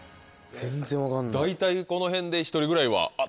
大体このへんで１人ぐらいはあっ！